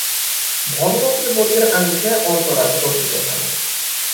ভগ্ন ত্রিপদীর আঙ্গিকে অন্তরা রচিত হয়।